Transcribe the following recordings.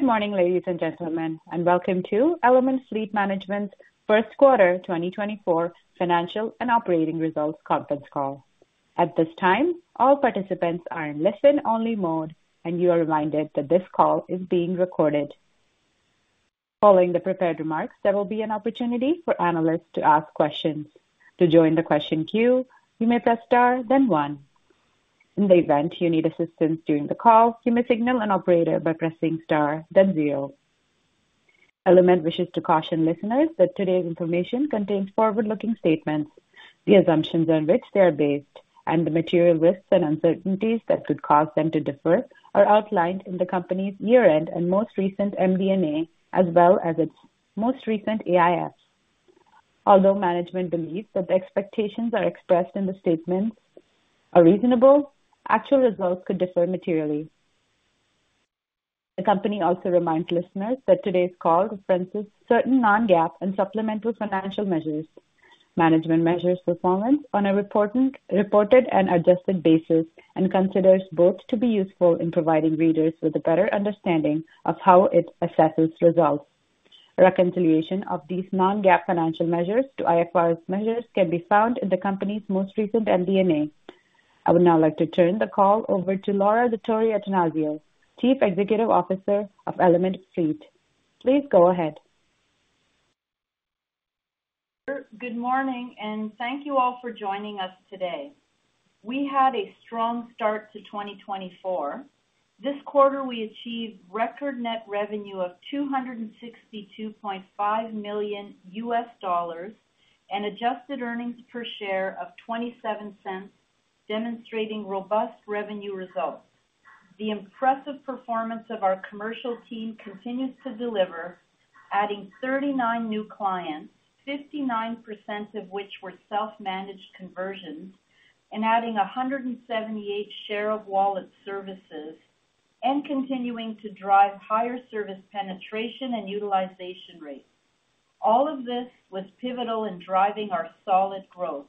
Good morning, ladies and gentlemen, and welcome to Element Fleet Management's First Quarter 2024 Financial and Operating Results Conference Call. At this time, all participants are in listen-only mode, and you are reminded that this call is being recorded. Following the prepared remarks, there will be an opportunity for analysts to ask questions. To join the question queue, you may press star, then one. In the event you need assistance during the call, you may signal an operator by pressing star, then zero. Element wishes to caution listeners that today's information contains forward-looking statements. The assumptions on which they are based, and the material risks and uncertainties that could cause them to differ, are outlined in the company's year-end and most recent MD&A, as well as its most recent AIFs. Although management believes that the expectations are expressed in the statements are reasonable, actual results could differ materially. The company also reminds listeners that today's call references certain non-GAAP and supplemental financial measures. Management measures performance on a reported and adjusted basis and considers both to be useful in providing readers with a better understanding of how it assesses results. Reconciliation of these non-GAAP financial measures to IFRS measures can be found in the company's most recent MD&A. I would now like to turn the call over to Laura Dottori-Attanasio, Chief Executive Officer of Element Fleet. Please go ahead. Good morning, and thank you all for joining us today. We had a strong start to 2024. This quarter, we achieved record net revenue of $262.5 million and adjusted earnings per share of $0.27, demonstrating robust revenue results. The impressive performance of our commercial team continues to deliver, adding 39 new clients, 59% of which were self-managed conversions, and adding 178 share of wallet services, and continuing to drive higher service penetration and utilization rates. All of this was pivotal in driving our solid growth.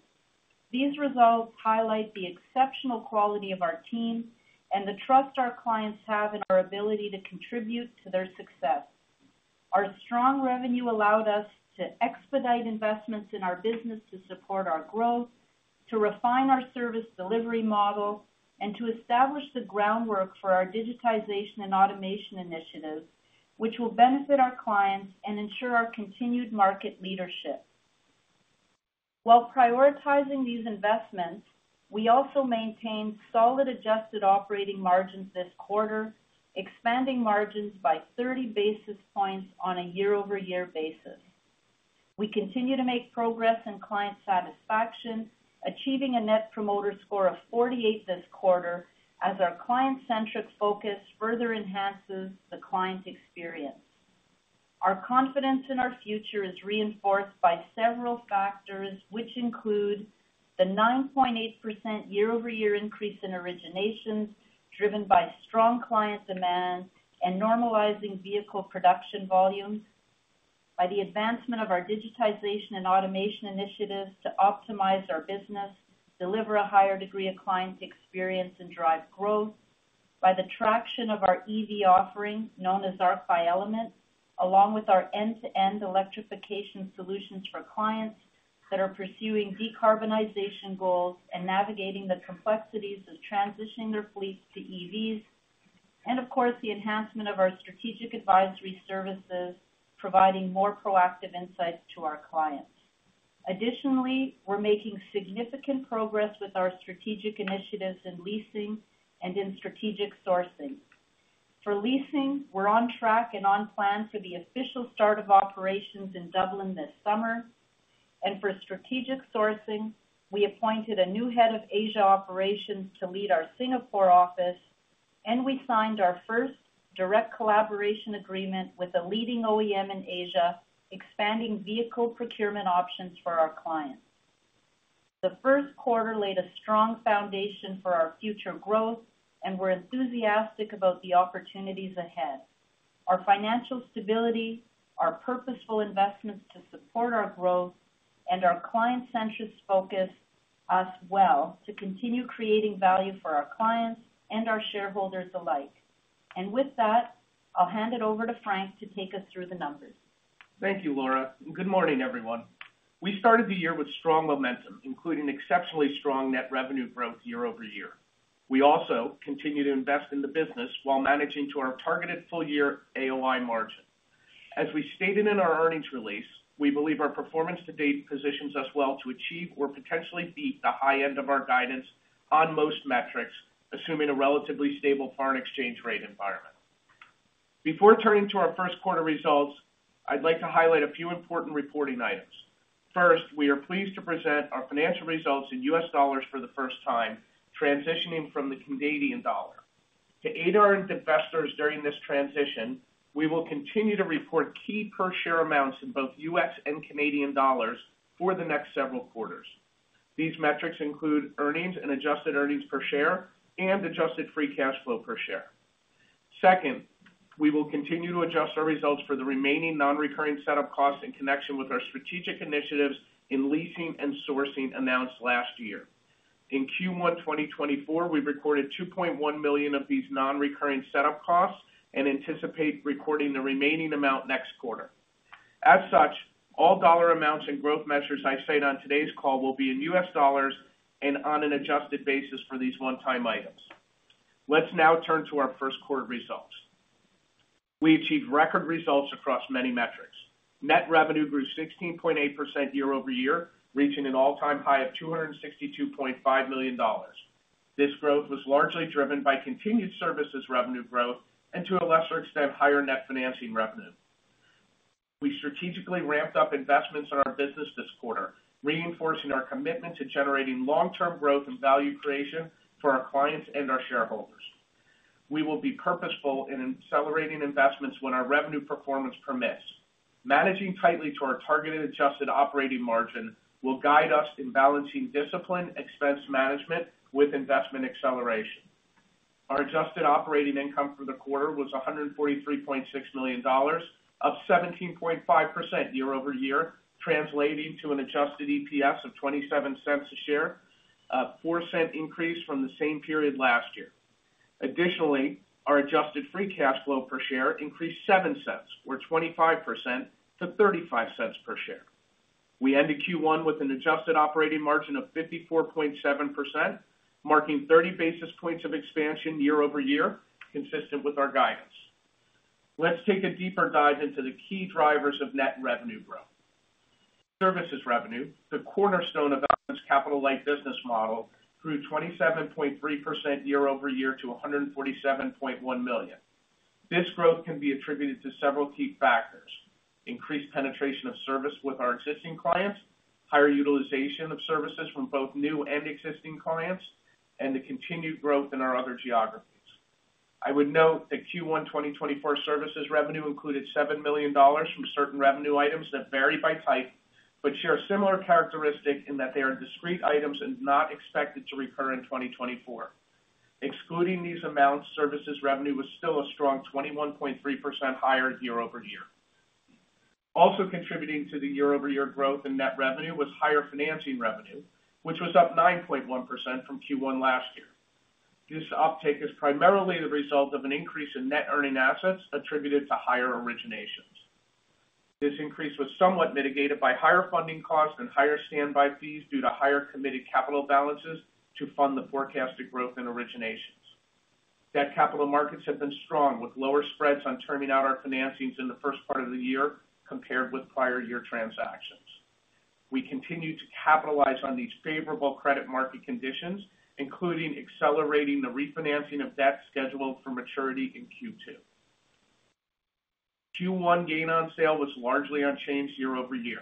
These results highlight the exceptional quality of our team and the trust our clients have in our ability to contribute to their success. Our strong revenue allowed us to expedite investments in our business to support our growth, to refine our service delivery model, and to establish the groundwork for our digitization and automation initiatives, which will benefit our clients and ensure our continued market leadership. While prioritizing these investments, we also maintained solid adjusted operating margins this quarter, expanding margins by 30 basis points on a year-over-year basis. We continue to make progress in client satisfaction, achieving a Net Promoter Score of 48 this quarter as our client-centric focus further enhances the client experience. Our confidence in our future is reinforced by several factors, which include the 9.8% year-over-year increase in originations driven by strong client demand and normalizing vehicle production volumes, by the advancement of our digitization and automation initiatives to optimize our business, deliver a higher degree of client experience, and drive growth, by the traction of our EV offering known as Arc by Element, along with our end-to-end electrification solutions for clients that are pursuing decarbonization goals and navigating the complexities of transitioning their fleets to EVs, and of course, the enhancement of our strategic advisory services providing more proactive insights to our clients. Additionally, we're making significant progress with our strategic initiatives in leasing and in strategic sourcing. For leasing, we're on track and on plan for the official start of operations in Dublin this summer. And for strategic sourcing, we appointed a new head of Asia operations to lead our Singapore office, and we signed our first direct collaboration agreement with a leading OEM in Asia, expanding vehicle procurement options for our clients. The first quarter laid a strong foundation for our future growth, and we're enthusiastic about the opportunities ahead: our financial stability, our purposeful investments to support our growth, and our client-centric focus as well to continue creating value for our clients and our shareholders alike. And with that, I'll hand it over to Frank to take us through the numbers. Thank you, Laura. Good morning, everyone. We started the year with strong momentum, including exceptionally strong net revenue growth year-over-year. We also continue to invest in the business while managing to our targeted full-year AOI margin. As we stated in our earnings release, we believe our performance to date positions us well to achieve or potentially beat the high end of our guidance on most metrics, assuming a relatively stable foreign exchange rate environment. Before turning to our first quarter results, I'd like to highlight a few important reporting items. First, we are pleased to present our financial results in U.S. dollars for the first time, transitioning from the Canadian dollar. To aid our investors during this transition, we will continue to report key per-share amounts in both U.S. and Canadian dollars for the next several quarters. These metrics include earnings and adjusted earnings per share and adjusted free cash flow per share. Second, we will continue to adjust our results for the remaining non-recurring setup costs in connection with our strategic initiatives in leasing and sourcing announced last year. In Q1 2024, we've recorded $2.1 million of these non-recurring setup costs and anticipate recording the remaining amount next quarter. As such, all dollar amounts and growth measures I state on today's call will be in U.S. dollars and on an adjusted basis for these one-time items. Let's now turn to our first quarter results. We achieved record results across many metrics. Net revenue grew 16.8% year-over-year, reaching an all-time high of $262.5 million. This growth was largely driven by continued services revenue growth and, to a lesser extent, higher net financing revenue. We strategically ramped up investments in our business this quarter, reinforcing our commitment to generating long-term growth and value creation for our clients and our shareholders. We will be purposeful in accelerating investments when our revenue performance permits. Managing tightly to our targeted adjusted operating margin will guide us in balancing discipline, expense management, with investment acceleration. Our adjusted operating income for the quarter was $143.6 million, up 17.5% year-over-year, translating to an adjusted EPS of $0.27 a share, a $0.04 increase from the same period last year. Additionally, our adjusted free cash flow per share increased $0.07, or 25%, to $0.35 per share. We ended Q1 with an adjusted operating margin of 54.7%, marking 30 basis points of expansion year-over-year, consistent with our guidance. Let's take a deeper dive into the key drivers of net revenue growth. Services revenue, the cornerstone of Element's capital-light business model, grew 27.3% year-over-year to $147.1 million. This growth can be attributed to several key factors: increased penetration of service with our existing clients, higher utilization of services from both new and existing clients, and the continued growth in our other geographies. I would note that Q1 2024 services revenue included $7 million from certain revenue items that vary by type but share a similar characteristic in that they are discrete items and not expected to recur in 2024. Excluding these amounts, services revenue was still a strong 21.3% higher year-over-year. Also contributing to the year-over-year growth in net revenue was higher financing revenue, which was up 9.1% from Q1 last year. This uptake is primarily the result of an increase in net earning assets attributed to higher originations. This increase was somewhat mitigated by higher funding costs and higher standby fees due to higher committed capital balances to fund the forecasted growth in originations. Debt capital markets have been strong, with lower spreads on turning out our financings in the first part of the year compared with prior year transactions. We continue to capitalize on these favorable credit market conditions, including accelerating the refinancing of debt scheduled for maturity in Q2. Q1 gain on sale was largely unchanged year-over-year.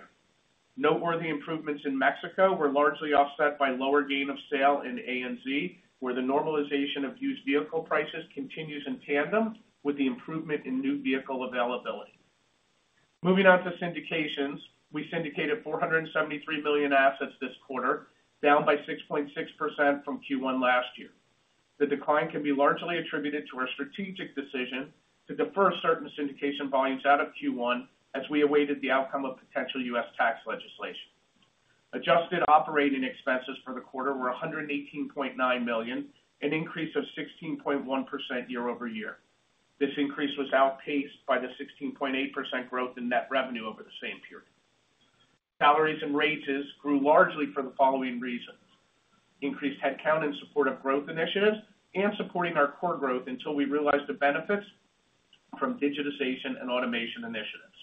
Noteworthy improvements in Mexico were largely offset by lower gain on sale in ANZ, where the normalization of used vehicle prices continues in tandem with the improvement in new vehicle availability. Moving on to syndications, we syndicated $473 million assets this quarter, down by 6.6% from Q1 last year. The decline can be largely attributed to our strategic decision to defer certain syndication volumes out of Q1 as we awaited the outcome of potential U.S. tax legislation. Adjusted operating expenses for the quarter were $118.9 million, an increase of 16.1% year-over-year. This increase was outpaced by the 16.8% growth in net revenue over the same period. Salaries and wages grew largely for the following reasons: increased headcount in support of growth initiatives and supporting our core growth until we realized the benefits from digitization and automation initiatives,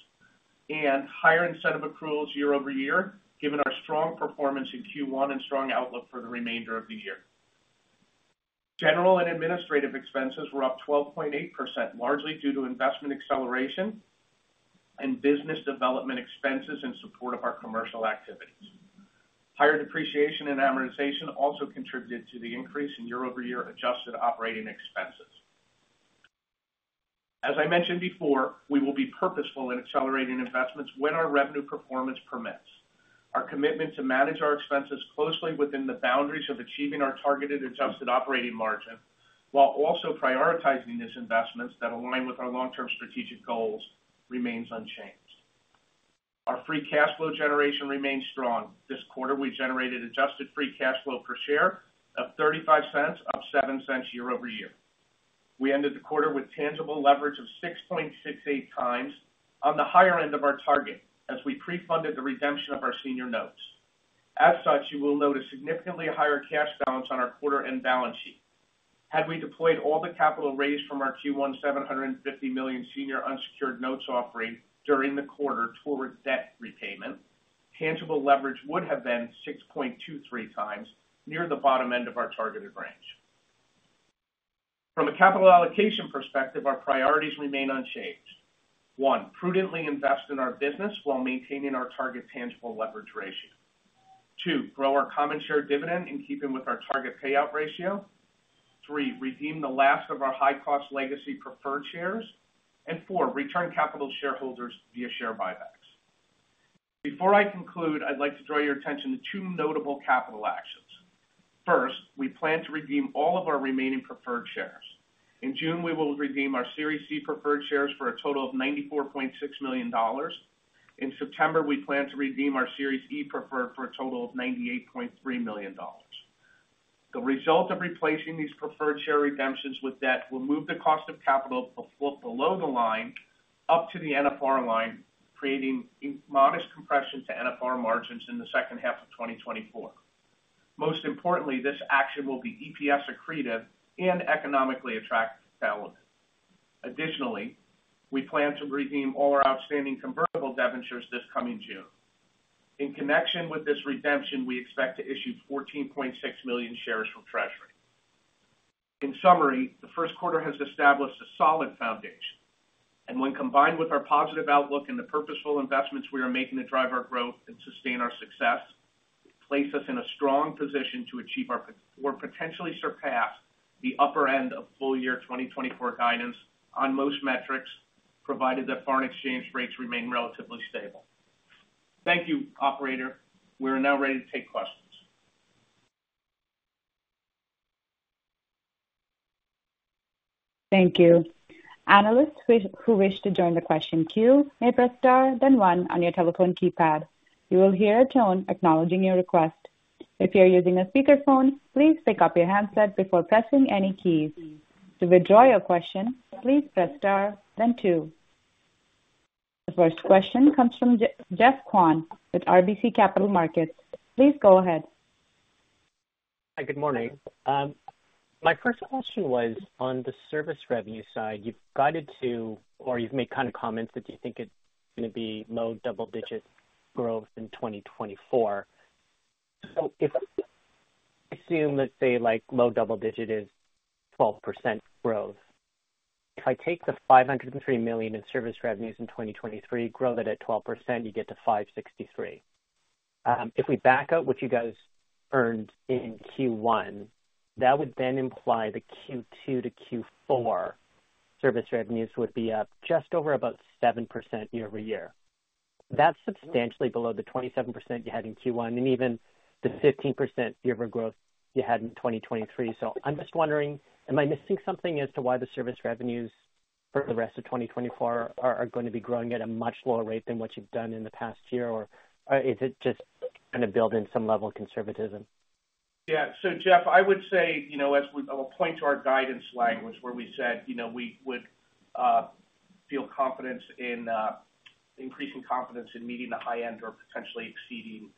and higher incentive accruals year-over-year, given our strong performance in Q1 and strong outlook for the remainder of the year. General and administrative expenses were up 12.8%, largely due to investment acceleration and business development expenses in support of our commercial activities. Higher depreciation and amortization also contributed to the increase in year-over-year adjusted operating expenses. As I mentioned before, we will be purposeful in accelerating investments when our revenue performance permits. Our commitment to manage our expenses closely within the boundaries of achieving our targeted adjusted operating margin while also prioritizing these investments that align with our long-term strategic goals remains unchanged. Our free cash flow generation remains strong. This quarter, we generated adjusted free cash flow per share of $0.35, up $0.07 year-over-year. We ended the quarter with tangible leverage of 6.68x on the higher end of our target as we pre-funded the redemption of our senior notes. As such, you will notice significantly higher cash balance on our quarter-end balance sheet. Had we deployed all the capital raised from our Q1 $750 million senior unsecured notes offering during the quarter toward debt repayment, tangible leverage would have been 6.23x, near the bottom end of our targeted range. From a capital allocation perspective, our priorities remain unchanged: one, prudently invest in our business while maintaining our target tangible leverage ratio, two, grow our common share dividend in keeping with our target payout ratio, three, redeem the last of our high-cost legacy preferred shares, and four, return capital to shareholders via share buybacks. Before I conclude, I'd like to draw your attention to two notable capital actions. First, we plan to redeem all of our remaining preferred shares. In June, we will redeem our Series C preferred shares for a total of $94.6 million. In September, we plan to redeem our Series E preferred shares for a total of $98.3 million. The result of replacing these preferred share redemptions with debt will move the cost of capital below the line up to the NFR line, creating modest compression to NFR margins in the second half of 2024. Most importantly, this action will be EPS-accretive and economically attractive. Additionally, we plan to redeem all our outstanding convertible debentures this coming June. In connection with this redemption, we expect to issue 14.6 million shares from Treasury. In summary, the first quarter has established a solid foundation, and when combined with our positive outlook and the purposeful investments we are making to drive our growth and sustain our success, it places us in a strong position to achieve or potentially surpass the upper end of full-year 2024 guidance on most metrics, provided that foreign exchange rates remain relatively stable. Thank you, operator. We are now ready to take questions. Thank you. Analysts who wish to join the question queue may press star, then one on your telephone keypad. You will hear a tone acknowledging your request. If you're using a speakerphone, please pick up your handset before pressing any keys. To withdraw your question, please press star, then two. The first question comes from Geoffrey Kwan with RBC Capital Markets. Please go ahead. Hi, good morning. My first question was, on the service revenue side, you've guided to or you've made kind of comments that you think it's going to be low double-digit growth in 2024. So if we assume, let's say, low double-digit is 12% growth, if I take the $503 million in service revenues in 2023, grow that at 12%, you get to $563 million. If we back out what you guys earned in Q1, that would then imply the Q2 to Q4 service revenues would be up just over about 7% year-over-year. That's substantially below the 27% you had in Q1 and even the 15% year-over-year growth you had in 2023. I'm just wondering, am I missing something as to why the service revenues for the rest of 2024 are going to be growing at a much lower rate than what you've done in the past year, or is it just kind of building some level of conservatism? Yeah. So, Geoff, I would say, as we'll point to our guidance language where we said we would feel confidence in increasing confidence in meeting the high end or potentially exceeding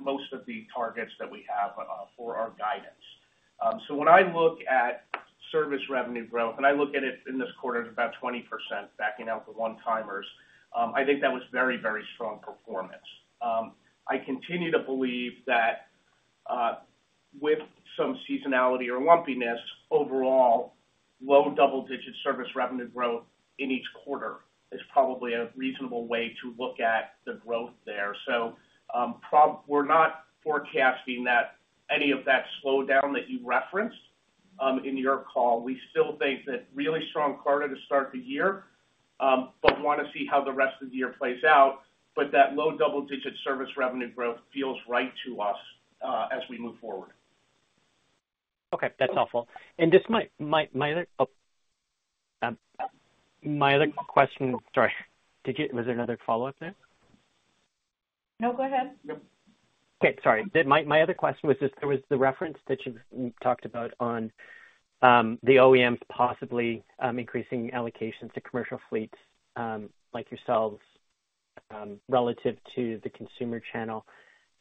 most of the targets that we have for our guidance. So when I look at service revenue growth, and I look at it in this quarter as about 20%, backing out the one-timers, I think that was very, very strong performance. I continue to believe that with some seasonality or lumpiness, overall, low double-digit service revenue growth in each quarter is probably a reasonable way to look at the growth there. So we're not forecasting any of that slowdown that you referenced in your call. We still think that really strong quarter to start the year, but want to see how the rest of the year plays out. But that low double-digit service revenue growth feels right to us as we move forward. Okay. That's helpful. Just my other question sorry. Was there another follow-up there? No, go ahead. Okay. Sorry. My other question was just there was the reference that you talked about on the OEMs possibly increasing allocations to commercial fleets like yourselves relative to the consumer channel.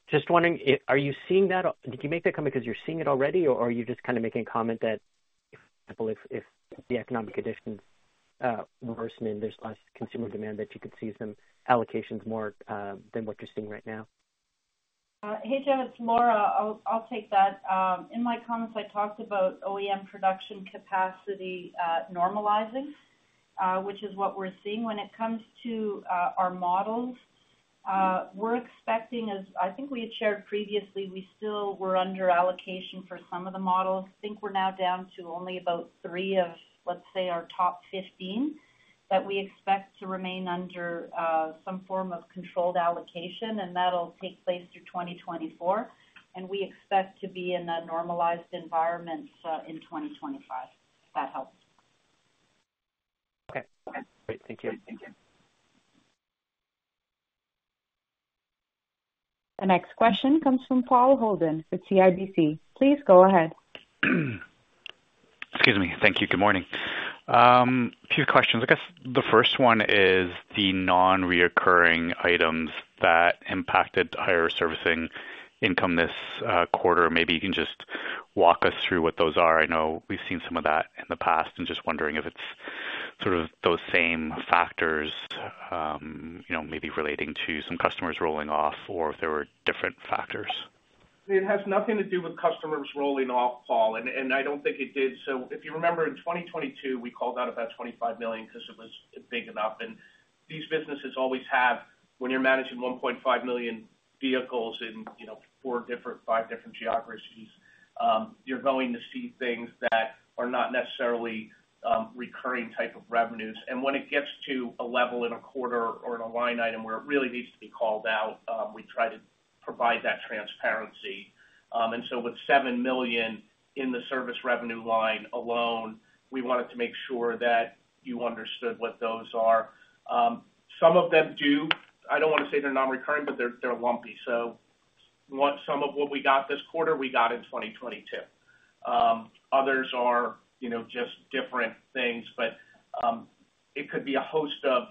Just wondering, are you seeing that? Did you make that comment because you're seeing it already, or are you just kind of making a comment that, for example, if the economic conditions worsen and there's less consumer demand, that you could see some allocations more than what you're seeing right now? Hey, Geoff. It's Laura. I'll take that. In my comments, I talked about OEM production capacity normalizing, which is what we're seeing. When it comes to our models, we're expecting as I think we had shared previously, we still were under allocation for some of the models. I think we're now down to only about three of, let's say, our top 15 that we expect to remain under some form of controlled allocation, and that'll take place through 2024. We expect to be in a normalized environment in 2025, if that helps. Okay. Great. Thank you. The next question comes from Paul Holden with CIBC. Please go ahead. Excuse me. Thank you. Good morning. A few questions. I guess the first one is the non-recurring items that impacted higher servicing income this quarter. Maybe you can just walk us through what those are. I know we've seen some of that in the past and just wondering if it's sort of those same factors, maybe relating to some customers rolling off or if there were different factors. It has nothing to do with customers rolling off, Paul, and I don't think it did. So if you remember, in 2022, we called out about $25 million because it was big enough. And these businesses always have, when you're managing 1.5 million vehicles in four, five different geographies, you're going to see things that are not necessarily recurring type of revenues. And when it gets to a level in a quarter or in a line item where it really needs to be called out, we try to provide that transparency. And so with $7 million in the service revenue line alone, we wanted to make sure that you understood what those are. Some of them do. I don't want to say they're non-recurring, but they're lumpy. So some of what we got this quarter, we got in 2022. Others are just different things, but it could be a host of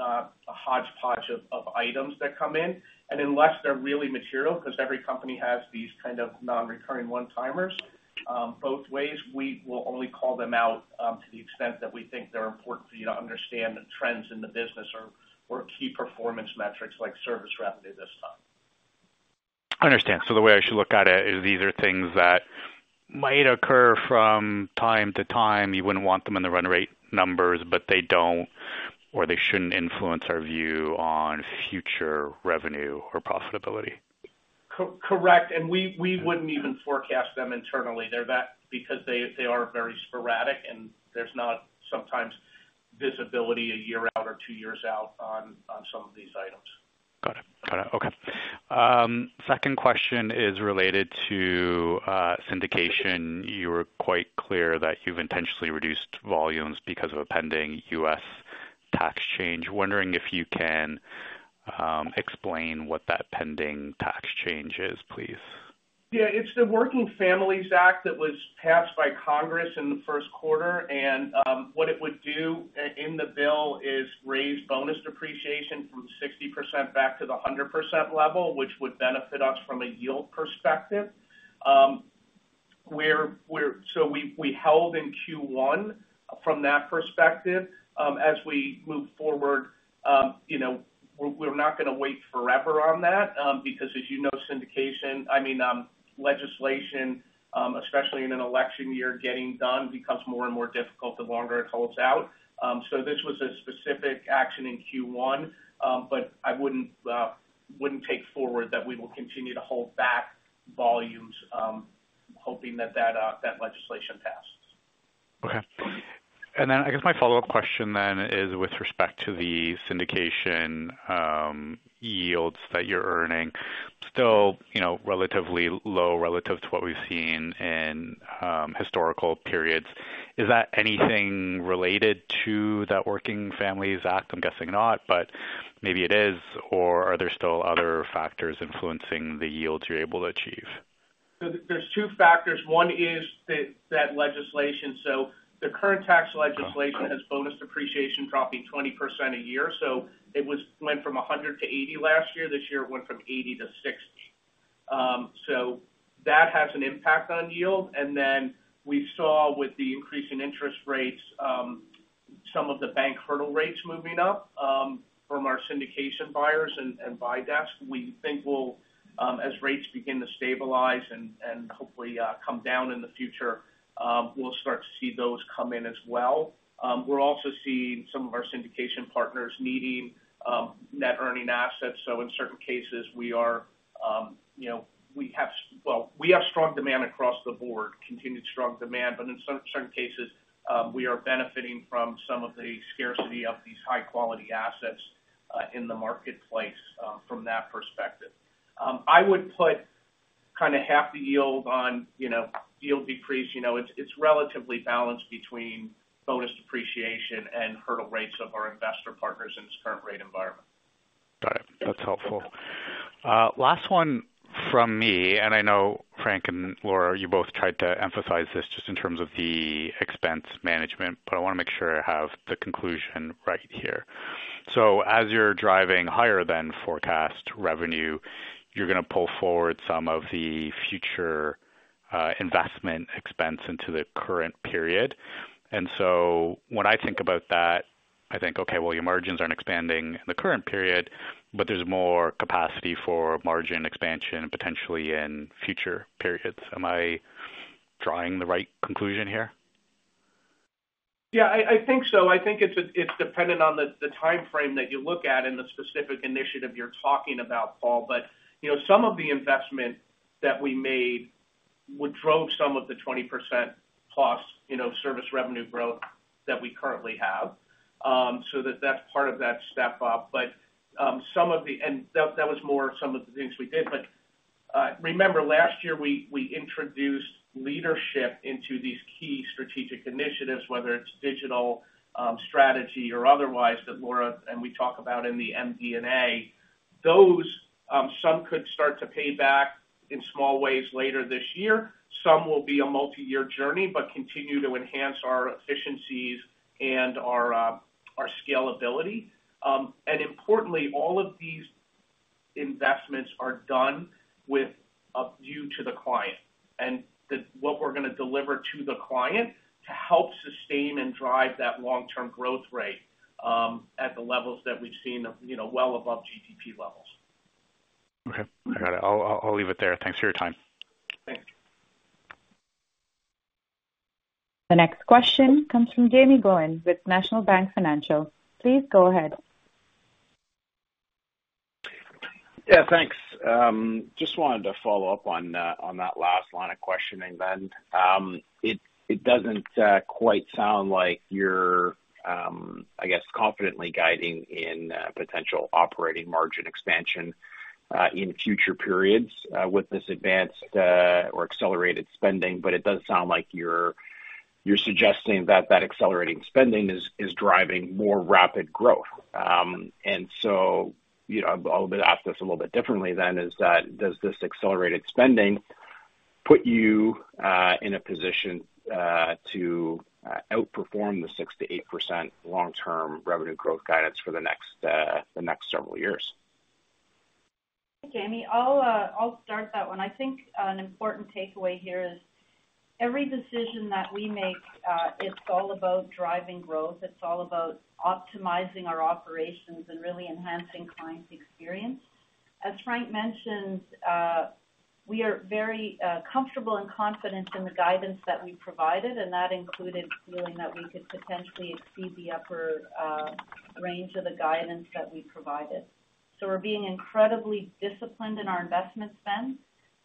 a hodgepodge of items that come in. Unless they're really material because every company has these kind of non-recurring one-timers, both ways, we will only call them out to the extent that we think they're important for you to understand trends in the business or key performance metrics like service revenue this time. I understand. The way I should look at it is these are things that might occur from time to time. You wouldn't want them in the run rate numbers, but they don't or they shouldn't influence our view on future revenue or profitability. Correct. And we wouldn't even forecast them internally. They're that because they are very sporadic, and there's not sometimes visibility a year out or two years out on some of these items. Got it. Got it. Okay. Second question is related to syndication. You were quite clear that you've intentionally reduced volumes because of a pending U.S. tax change. Wondering if you can explain what that pending tax change is, please. Yeah. It's the Working Families Act that was passed by Congress in the first quarter. What it would do in the bill is raise bonus depreciation from 60% back to the 100% level, which would benefit us from a yield perspective. We held in Q1 from that perspective. As we move forward, we're not going to wait forever on that because, as you know, syndication, I mean, legislation, especially in an election year, getting done becomes more and more difficult the longer it holds out. This was a specific action in Q1, but I wouldn't take forward that we will continue to hold back volumes hoping that that legislation passes. Okay. And then I guess my follow-up question then is with respect to the syndication yields that you're earning, still relatively low relative to what we've seen in historical periods. Is that anything related to that Working Families Act? I'm guessing not, but maybe it is. Or are there still other factors influencing the yields you're able to achieve? There's two factors. One is that legislation. So the current tax legislation has bonus depreciation dropping 20% a year. So it went from 100 to 80 last year. This year, it went from 80 to 60. So that has an impact on yield. And then we saw with the increase in interest rates, some of the bank hurdle rates moving up from our syndication buyers and buy desk. We think as rates begin to stabilize and hopefully come down in the future, we'll start to see those come in as well. We're also seeing some of our syndication partners needing net earning assets. So in certain cases, well, we have strong demand across the board, continued strong demand. But in certain cases, we are benefiting from some of the scarcity of these high-quality assets in the marketplace from that perspective. I would put kind of half the yield on yield decrease. It's relatively balanced between bonus depreciation and hurdle rates of our investor partners in this current rate environment. Got it. That's helpful. Last one from me. And I know Frank and Laura, you both tried to emphasize this just in terms of the expense management, but I want to make sure I have the conclusion right here. So as you're driving higher than forecast revenue, you're going to pull forward some of the future investment expense into the current period. And so when I think about that, I think, "okay, well, your margins aren't expanding in the current period, but there's more capacity for margin expansion potentially in future periods." Am I drawing the right conclusion here? Yeah. I think so. I think it's dependent on the time frame that you look at and the specific initiative you're talking about, Paul. But some of the investment that we made drove some of the 20%+ service revenue growth that we currently have. So that's part of that step up. But some of the and that was more some of the things we did. But remember, last year, we introduced leadership into these key strategic initiatives, whether it's digital strategy or otherwise, that Laura and we talk about in the MD&A. Some could start to pay back in small ways later this year. Some will be a multi-year journey but continue to enhance our efficiencies and our scalability. Importantly, all of these investments are done due to the client and what we're going to deliver to the client to help sustain and drive that long-term growth rate at the levels that we've seen well above GDP levels. Okay. I got it. I'll leave it there. Thanks for your time. Thanks. The next question comes from Jaeme Gloyn with National Bank Financial. Please go ahead. Yeah. Thanks. Just wanted to follow up on that last line of questioning then. It doesn't quite sound like you're, I guess, confidently guiding in potential operating margin expansion in future periods with this advanced or accelerated spending. But it does sound like you're suggesting that that accelerating spending is driving more rapid growth. And so I'll ask this a little bit differently then, is that does this accelerated spending put you in a position to outperform the 6%-8% long-term revenue growth guidance for the next several years? Jaeme, I'll start that one. I think an important takeaway here is every decision that we make, it's all about driving growth. It's all about optimizing our operations and really enhancing client experience. As Frank mentioned, we are very comfortable and confident in the guidance that we provided, and that included feeling that we could potentially exceed the upper range of the guidance that we provided. So we're being incredibly disciplined in our investment spend.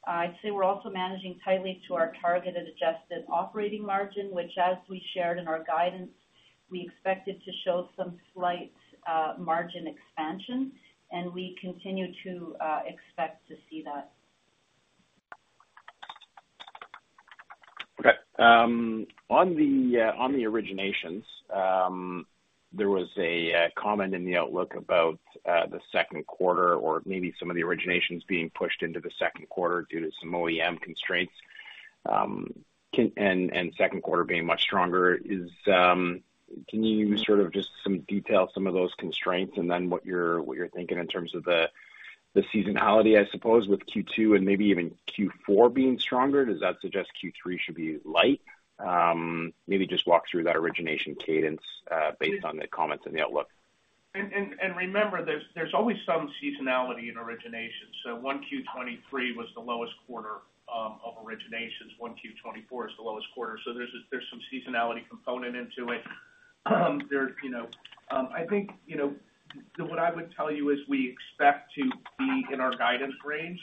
I'd say we're also managing tightly to our targeted adjusted operating margin, which, as we shared in our guidance, we expected to show some slight margin expansion. We continue to expect to see that. Okay. On the originations, there was a comment in the outlook about the second quarter or maybe some of the originations being pushed into the second quarter due to some OEM constraints and second quarter being much stronger. Can you sort of just detail some of those constraints and then what you're thinking in terms of the seasonality, I suppose, with Q2 and maybe even Q4 being stronger? Does that suggest Q3 should be light? Maybe just walk through that origination cadence based on the comments in the outlook. Remember, there's always some seasonality in originations. So 1Q 2023 was the lowest quarter of originations. 1Q 2024 is the lowest quarter. So there's some seasonality component into it. I think what I would tell you is we expect to be in our guidance range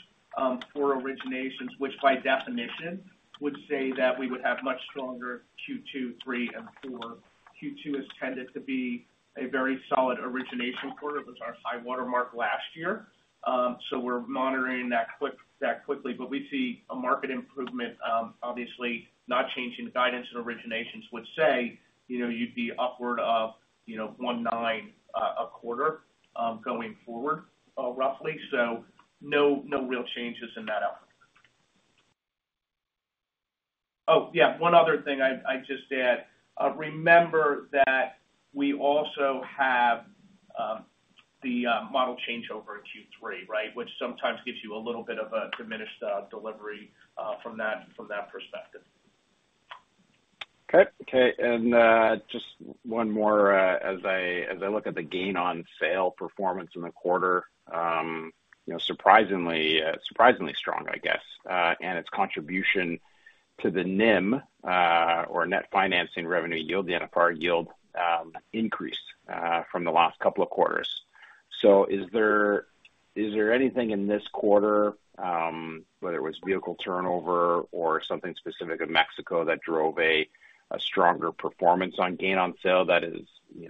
for originations, which by definition would say that we would have much stronger Q2, Q3, and Q4. Q2 has tended to be a very solid origination quarter. It was our high watermark last year. So we're monitoring that quickly. But we see a market improvement. Obviously, not changing guidance in originations would say you'd be upward of $1.9 a quarter going forward, roughly. So no real changes in that outlook. Oh, yeah. One other thing I'd just add. Remember that we also have the model changeover in Q3, right, which sometimes gives you a little bit of a diminished delivery from that perspective. Okay. Okay. And just one more. As I look at the gain on sale performance in the quarter, surprisingly strong, I guess, and its contribution to the NIM or net financing revenue yield, the NFR yield, increased from the last couple of quarters. So is there anything in this quarter, whether it was vehicle turnover or something specific in Mexico, that drove a stronger performance on gain on sale that is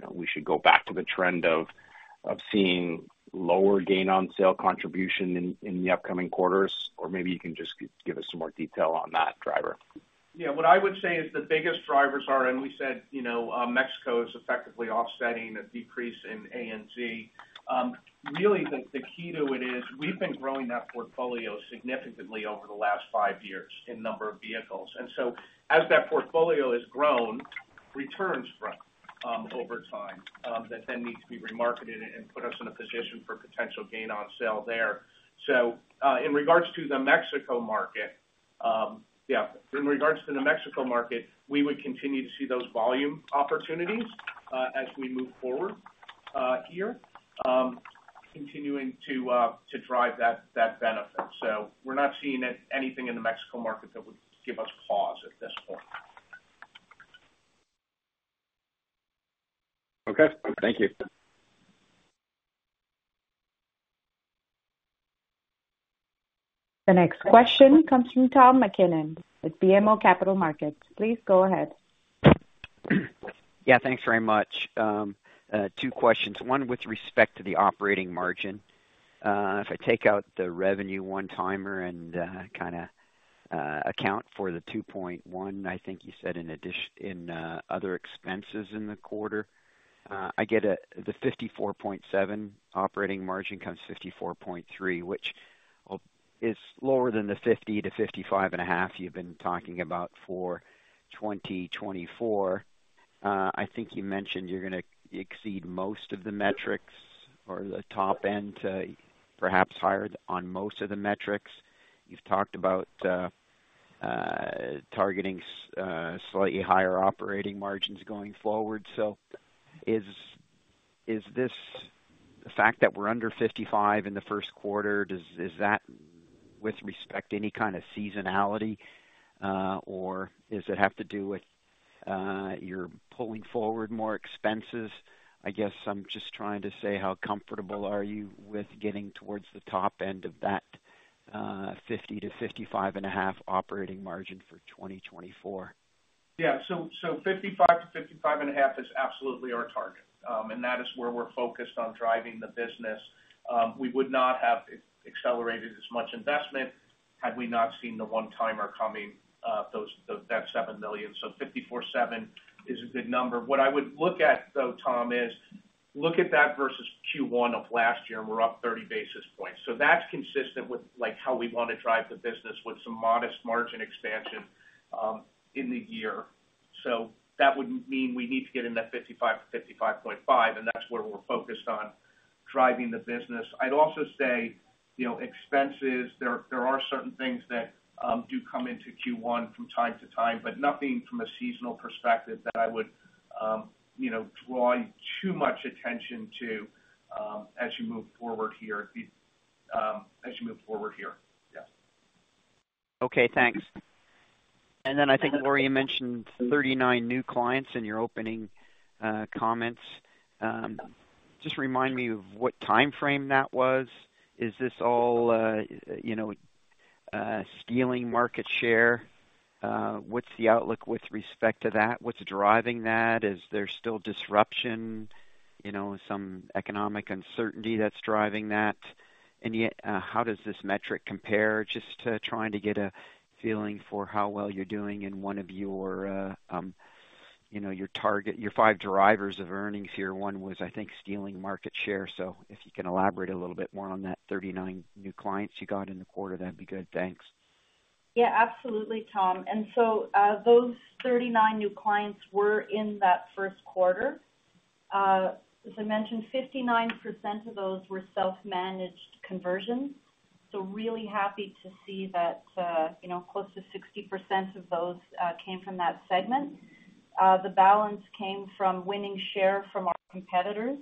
we should go back to the trend of seeing lower gain on sale contribution in the upcoming quarters? Or maybe you can just give us some more detail on that driver. Yeah. What I would say is the biggest drivers are, and we said Mexico is effectively offsetting a decrease in ANZ. Really, the key to it is we've been growing that portfolio significantly over the last five years in number of vehicles. And so as that portfolio has grown. Returns from over time that then needs to be remarketed and put us in a position for potential gain on sale there. So in regards to the Mexico market yeah. In regards to the Mexico market, we would continue to see those volume opportunities as we move forward here, continuing to drive that benefit. So we're not seeing anything in the Mexico market that would give us pause at this point. Okay. Thank you. The next question comes from Tom MacKinnon with BMO Capital Markets. Please go ahead. Yeah. Thanks very much. Two questions. One with respect to the operating margin. If I take out the revenue one-timer and kind of account for the $2.1, I think you said in other expenses in the quarter, the 54.7% operating margin comes 54.3%, which is lower than the 50%-55.5% you've been talking about for 2024. I think you mentioned you're going to exceed most of the metrics or the top end to perhaps higher on most of the metrics. You've talked about targeting slightly higher operating margins going forward. So is the fact that we're under 55% in the first quarter, does that with respect any kind of seasonality, or does it have to do with you're pulling forward more expenses? I guess I'm just trying to say how comfortable are you with getting towards the top end of that 50%-55.5% operating margin for 2024? Yeah. So 55%-55.5% is absolutely our target, and that is where we're focused on driving the business. We would not have accelerated as much investment had we not seen the one-timer coming, that $7 million. So 54.7% is a good number. What I would look at, though, Tom, is look at that versus Q1 of last year, and we're up 30 basis points. So that's consistent with how we want to drive the business with some modest margin expansion in the year. So that would mean we need to get in that 55%-55.5%, and that's where we're focused on driving the business. I'd also say expenses, there are certain things that do come into Q1 from time to time, but nothing from a seasonal perspective that I would draw too much attention to as you move forward here. Yeah. Okay. Thanks. And then I think, Laura, you mentioned 39 new clients in your opening comments. Just remind me of what time frame that was. Is this all stealing market share? What's the outlook with respect to that? What's driving that? Is there still disruption, some economic uncertainty that's driving that? And how does this metric compare? Just trying to get a feeling for how well you're doing in one of your five drivers of earnings here. One was, I think, stealing market share. So if you can elaborate a little bit more on that 39 new clients you got in the quarter, that'd be good. Thanks. Yeah. Absolutely, Tom. And so those 39 new clients were in that first quarter. As I mentioned, 59% of those were self-managed conversions. So really happy to see that close to 60% of those came from that segment. The balance came from winning share from our competitors.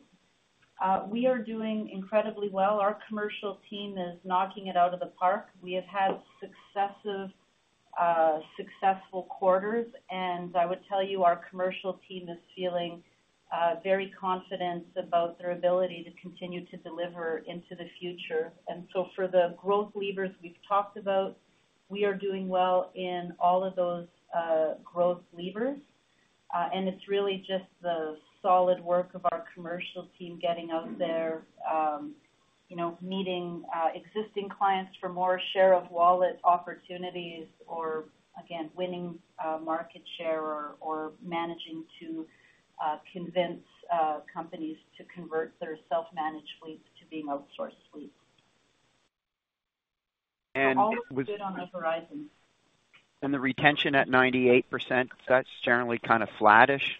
We are doing incredibly well. Our commercial team is knocking it out of the park. We have had successful quarters. And I would tell you, our commercial team is feeling very confident about their ability to continue to deliver into the future. And so for the growth levers we've talked about, we are doing well in all of those growth levers. And it's really just the solid work of our commercial team getting out there, meeting existing clients for more share of wallet opportunities or, again, winning market share or managing to convince companies to convert their self-managed fleets to being outsourced fleets. And. And. It was. Good on the horizon. The retention at 98%, is that generally kind of flattish?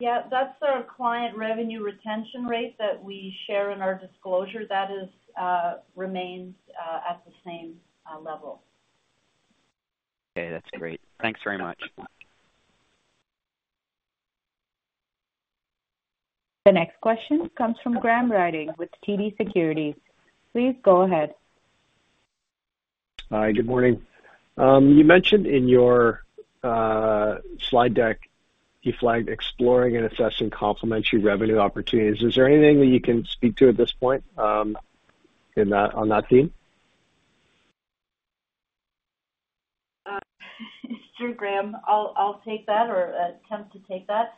Yeah. That's our client revenue retention rate that we share in our disclosure. That remains at the same level. Okay. That's great. Thanks very much. The next question comes from Graham Ryding with TD Securities. Please go ahead. Hi. Good morning. You mentioned in your slide deck you flagged exploring and assessing complementary revenue opportunities. Is there anything that you can speak to at this point on that theme? Sure, Graham. I'll take that or attempt to take that.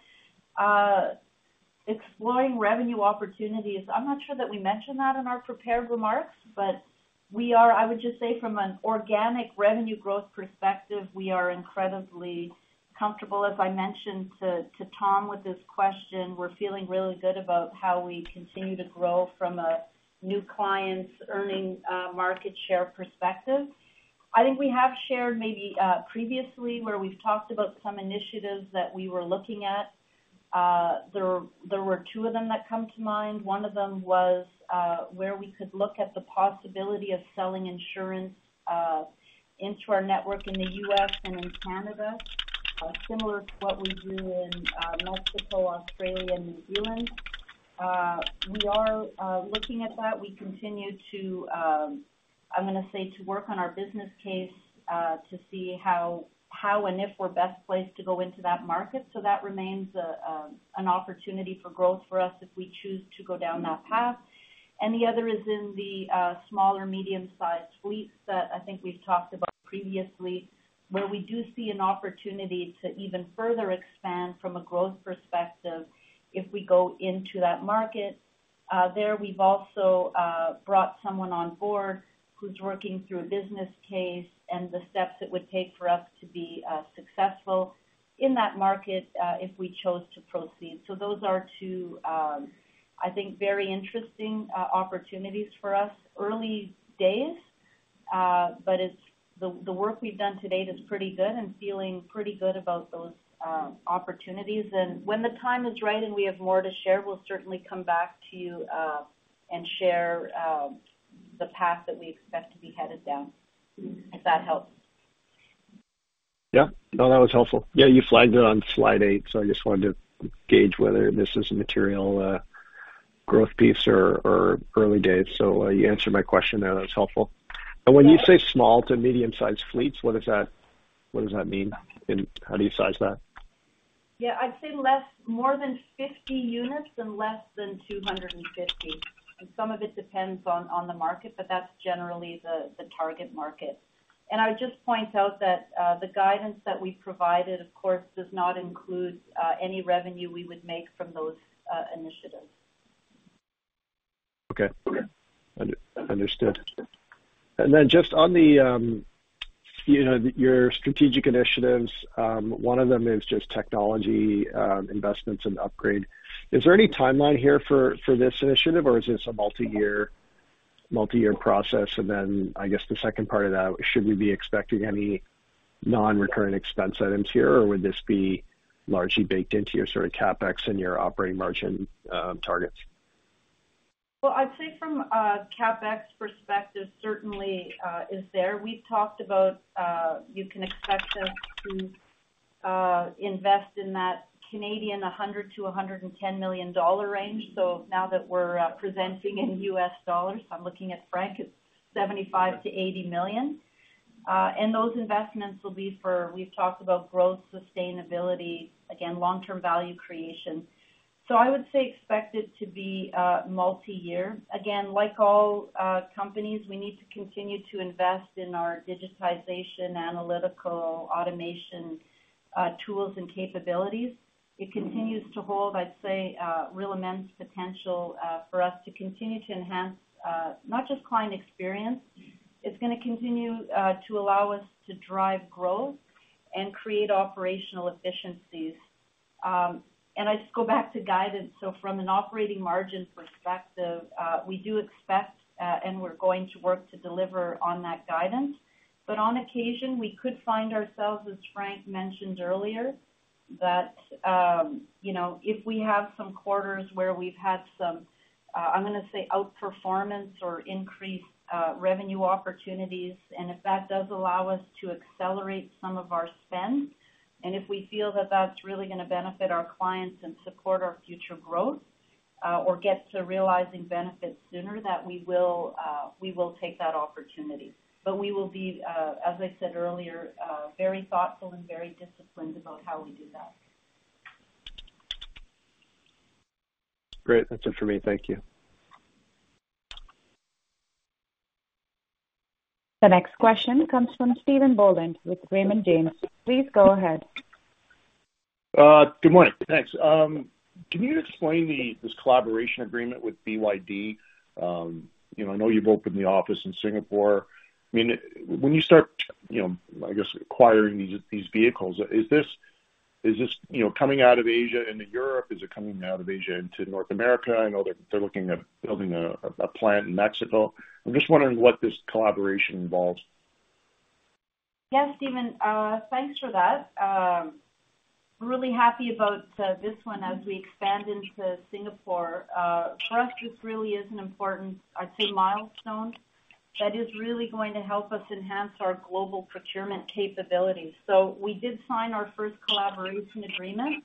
Exploring revenue opportunities, I'm not sure that we mentioned that in our prepared remarks, but I would just say from an organic revenue growth perspective, we are incredibly comfortable, as I mentioned to Tom with this question. We're feeling really good about how we continue to grow from a new clients earning market share perspective. I think we have shared maybe previously where we've talked about some initiatives that we were looking at. There were two of them that come to mind. One of them was where we could look at the possibility of selling insurance into our network in the U.S. and in Canada, similar to what we do in Mexico, Australia, and New Zealand. We are looking at that. We continue to, I'm going to say, to work on our business case to see how and if we're best placed to go into that market. So that remains an opportunity for growth for us if we choose to go down that path. And the other is in the smaller medium-sized fleets that I think we've talked about previously, where we do see an opportunity to even further expand from a growth perspective if we go into that market. There, we've also brought someone on board who's working through a business case and the steps it would take for us to be successful in that market if we chose to proceed. So those are two, I think, very interesting opportunities for us early days. But the work we've done to date is pretty good and feeling pretty good about those opportunities. When the time is right and we have more to share, we'll certainly come back to you and share the path that we expect to be headed down, if that helps. Yeah. No, that was helpful. Yeah. You flagged it on Slide Eight, so I just wanted to gauge whether this is a material growth piece or early days. So you answered my question there. That was helpful. And when you say small to medium-sized fleets, what does that mean? And how do you size that? Yeah. I'd say more than 50 units and less than 250. Some of it depends on the market, but that's generally the target market. I would just point out that the guidance that we provided, of course, does not include any revenue we would make from those initiatives. Okay. Understood. And then just on your strategic initiatives, one of them is just technology investments and upgrade. Is there any timeline here for this initiative, or is this a multi-year process? And then I guess the second part of that, should we be expecting any non-recurring expense items here, or would this be largely baked into your sort of CapEx and your operating margin targets? Well, I'd say from a CapEx perspective, certainly is there. We've talked about you can expect us to invest in that 100 million-110 million dollar range. So now that we're presenting in U.S. dollars, I'm looking at Frank, it's $75 million-$80 million. And those investments will be for we've talked about growth sustainability, again, long-term value creation. So I would say expect it to be multi-year. Again, like all companies, we need to continue to invest in our digitization, analytical, automation tools and capabilities. It continues to hold, I'd say, real immense potential for us to continue to enhance not just client experience. It's going to continue to allow us to drive growth and create operational efficiencies. And I'd just go back to guidance. So from an operating margin perspective, we do expect and we're going to work to deliver on that guidance. But on occasion, we could find ourselves, as Frank mentioned earlier, that if we have some quarters where we've had some, I'm going to say, outperformance or increased revenue opportunities and if that does allow us to accelerate some of our spend and if we feel that that's really going to benefit our clients and support our future growth or get to realizing benefits sooner, that we will take that opportunity. But we will be, as I said earlier, very thoughtful and very disciplined about how we do that. Great. That's it for me. Thank you. The next question comes from Stephen Boland with Raymond James. Please go ahead. Good morning. Thanks. Can you explain this collaboration agreement with BYD? I know you've opened the office in Singapore. I mean, when you start, I guess, acquiring these vehicles, is this coming out of Asia into Europe? Is it coming out of Asia into North America? I know they're looking at building a plant in Mexico. I'm just wondering what this collaboration involves. Yeah, Stephen. Thanks for that. Really happy about this one as we expand into Singapore. For us, this really is an important, I'd say, milestone that is really going to help us enhance our global procurement capabilities. So we did sign our first collaboration agreement.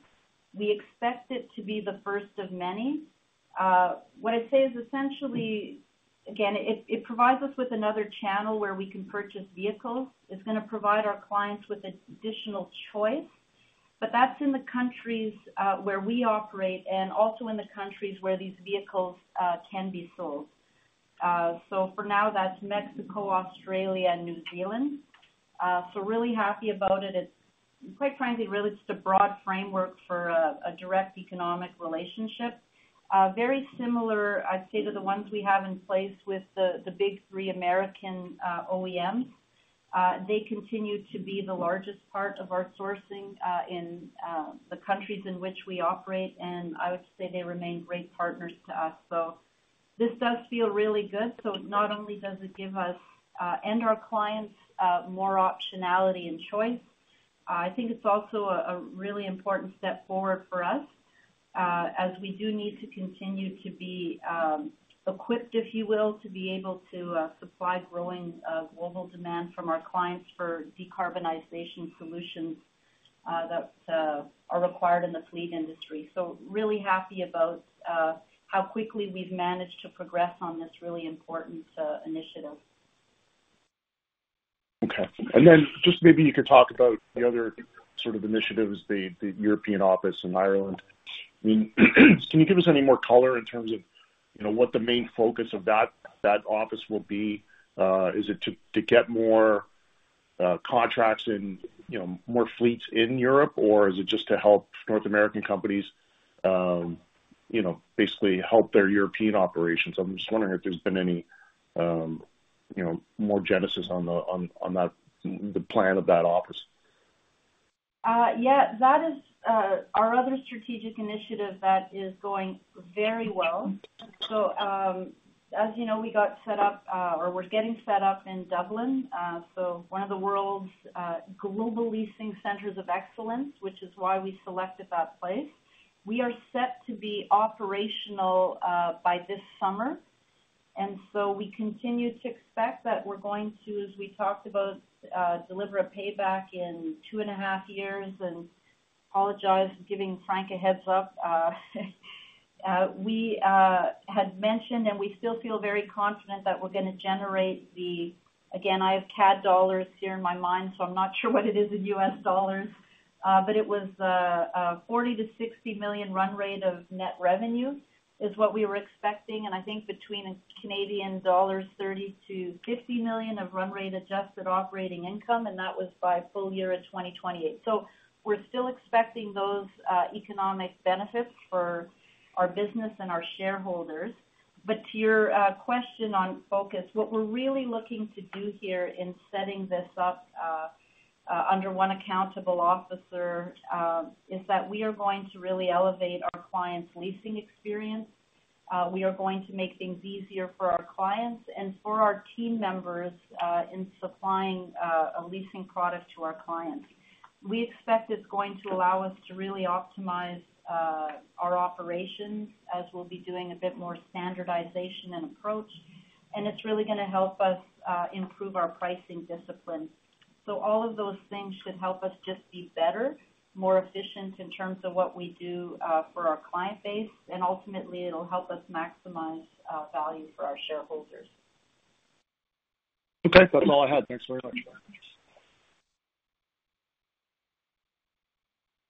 We expect it to be the first of many. What I'd say is essentially, again, it provides us with another channel where we can purchase vehicles. It's going to provide our clients with additional choice, but that's in the countries where we operate and also in the countries where these vehicles can be sold. So for now, that's Mexico, Australia, and New Zealand. So really happy about it. Quite frankly, really, it's a broad framework for a direct economic relationship. Very similar, I'd say, to the ones we have in place with the Big Three American OEMs. They continue to be the largest part of our sourcing in the countries in which we operate, and I would say they remain great partners to us. This does feel really good. Not only does it give us and our clients more optionality and choice, I think it's also a really important step forward for us as we do need to continue to be equipped, if you will, to be able to supply growing global demand from our clients for decarbonization solutions that are required in the fleet industry. Really happy about how quickly we've managed to progress on this really important initiative. Okay. And then just maybe you could talk about the other sort of initiatives, the European office in Ireland. I mean, can you give us any more color in terms of what the main focus of that office will be? Is it to get more contracts and more fleets in Europe, or is it just to help North American companies basically help their European operations? I'm just wondering if there's been any more genesis on the plan of that office. Yeah. Our other strategic initiative that is going very well. So as you know, we got set up or we're getting set up in Dublin, so one of the world's global leasing centers of excellence, which is why we selected that place. We are set to be operational by this summer. And so we continue to expect that we're going to, as we talked about, deliver a payback in two and half years. And apologize giving Frank a heads up. We had mentioned, and we still feel very confident, that we're going to generate the again, I have Canadian dollars here in my mind, so I'm not sure what it is in U.S. dollars. But it was a 40 million-60 million run rate of net revenue is what we were expecting, and I think between Canadian dollars, 30 million-50 million of run rate adjusted operating income. And that was by full year of 2028. So we're still expecting those economic benefits for our business and our shareholders. But to your question on focus, what we're really looking to do here in setting this up under one accountable officer is that we are going to really elevate our clients' leasing experience. We are going to make things easier for our clients and for our team members in supplying a leasing product to our clients. We expect it's going to allow us to really optimize our operations as we'll be doing a bit more standardization and approach. And it's really going to help us improve our pricing discipline. So all of those things should help us just be better, more efficient in terms of what we do for our client base. And ultimately, it'll help us maximize value for our shareholders. Okay. That's all I had. Thanks very much.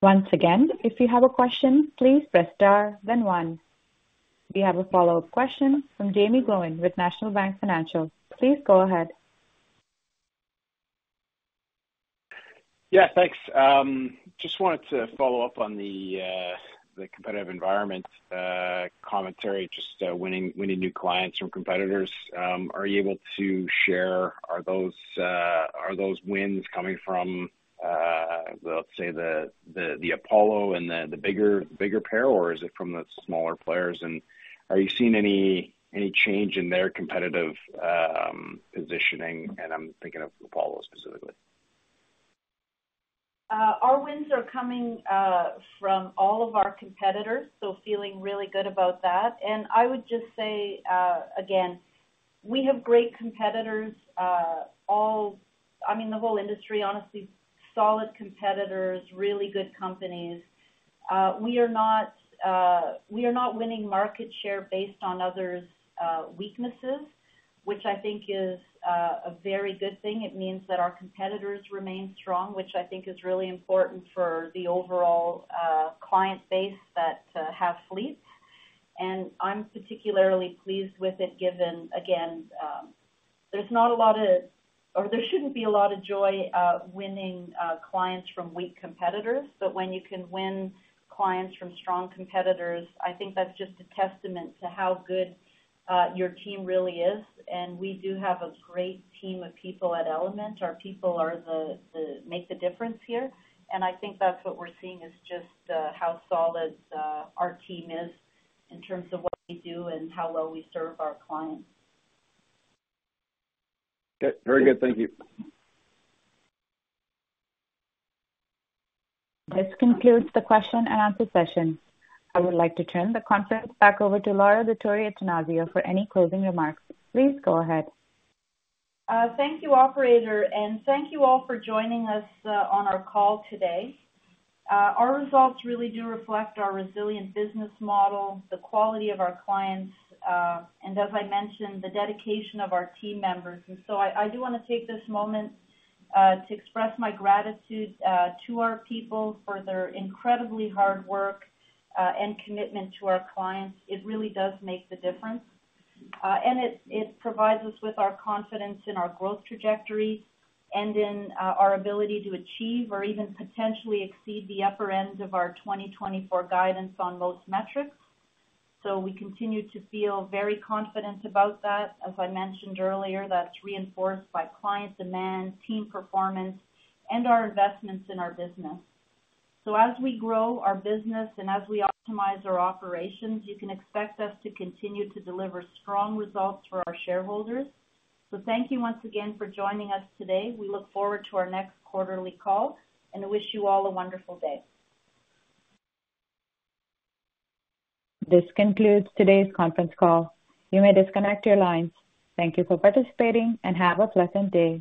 Once again, if you have a question, please press star, then one. We have a follow-up question from Jaeme Gloyn with National Bank Financial. Please go ahead. Yeah. Thanks. Just wanted to follow up on the competitive environment commentary, just winning new clients from competitors. Are you able to share, are those wins coming from, let's say, the Apollo and the bigger players, or is it from the smaller players? And are you seeing any change in their competitive positioning? And I'm thinking of Apollo specifically. Our wins are coming from all of our competitors, so feeling really good about that. I would just say, again, we have great competitors, I mean, the whole industry, honestly, solid competitors, really good companies. We are not winning market share based on others' weaknesses, which I think is a very good thing. It means that our competitors remain strong, which I think is really important for the overall client base that have fleets. I'm particularly pleased with it given, again, there's not a lot of or there shouldn't be a lot of joy winning clients from weak competitors. But when you can win clients from strong competitors, I think that's just a testament to how good your team really is. We do have a great team of people at Element. Our people make the difference here. I think that's what we're seeing is just how solid our team is in terms of what we do and how well we serve our clients. Okay. Very good. Thank you. This concludes the question and answer session. I would like to turn the conference back over to Laura Dottori-Attanasio for any closing remarks. Please go ahead. Thank you, operator. Thank you all for joining us on our call today. Our results really do reflect our resilient business model, the quality of our clients, and as I mentioned, the dedication of our team members. So I do want to take this moment to express my gratitude to our people for their incredibly hard work and commitment to our clients. It really does make the difference. It provides us with our confidence in our growth trajectory and in our ability to achieve or even potentially exceed the upper end of our 2024 guidance on most metrics. We continue to feel very confident about that. As I mentioned earlier, that's reinforced by client demand, team performance, and our investments in our business. As we grow our business and as we optimize our operations, you can expect us to continue to deliver strong results for our shareholders. Thank you once again for joining us today. We look forward to our next quarterly call, and I wish you all a wonderful day. This concludes today's conference call. You may disconnect your lines. Thank you for participating, and have a pleasant day.